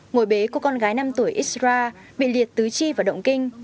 ngồi bế của con gái năm tuổi israa bị liệt tứ chi và động kinh